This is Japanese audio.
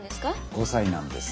５歳なんです。